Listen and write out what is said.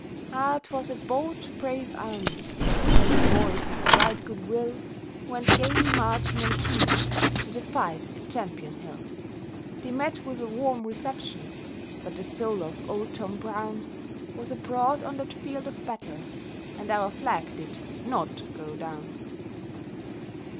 Ah, 'twas a bold, brave army, When the boys, with a right good will, Went gaily marching and singing To the fight at Champion Hill. They met with a warm reception, But the soul of "Old John Brown" Was abroad on that field of battle, And our flag did NOT go down.